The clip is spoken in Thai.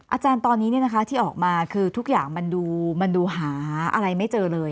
อาจารย์ตอนนี้ที่ออกมาคือทุกอย่างมันดูหาอะไรไม่เจอเลย